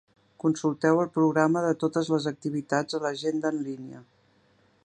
Consulteu el programa de totes les activitats a l'agenda en línia.